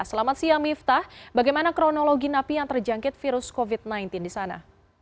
selamat siang miftah bagaimana kronologi napi yang terjangkit virus covid sembilan belas di sana